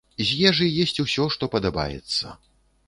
З ежы есць усё, што падабаецца.